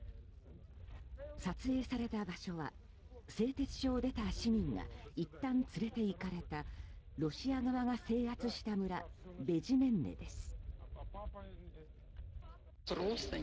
撮影された場所は製鉄所を出た市民がいったん連れていかれたロシア側が制圧した村ベジメンネです。